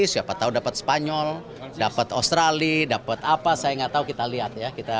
siapa tahu dapat spanyol dapat australia dapat apa saya nggak tahu kita lihat ya